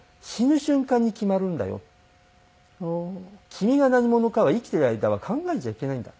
君が何者かは生きている間は考えちゃいけないんだ。